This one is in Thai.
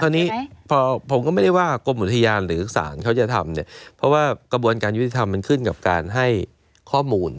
นี้พอผมก็ไม่ได้ว่ากรมอุทยานหรือศาลเขาจะทำเนี่ยเพราะว่ากระบวนการยุติธรรมมันขึ้นกับการให้ข้อมูล